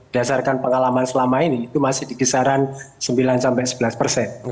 dasarkan pengalaman selama ini itu masih di kisaran sembilan sampai sebelas persen